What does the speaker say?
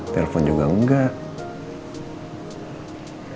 telepon juga enggak